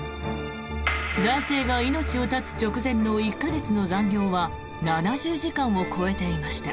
男性が命を絶つ直前の１か月の残業は７０時間を超えていました。